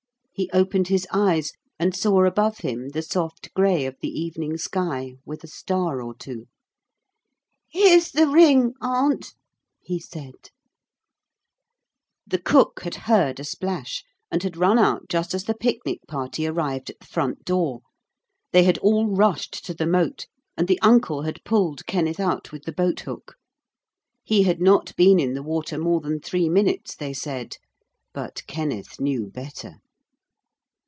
He opened his eyes and saw above him the soft gray of the evening sky with a star or two. 'Here's the ring, Aunt,' he said. [Illustration: 'Oh, good bye!' he cried desperately, and snapped at the worm.] The cook had heard a splash and had run out just as the picnic party arrived at the front door. They had all rushed to the moat, and the uncle had pulled Kenneth out with the boat hook. He had not been in the water more than three minutes, they said. But Kenneth knew better.